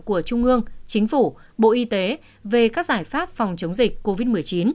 của trung ương chính phủ bộ y tế về các giải pháp phòng chống dịch covid một mươi chín